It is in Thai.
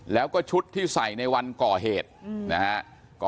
แล้วก็ชุดที่ใส่ในวันก่อเหตุนะฮะ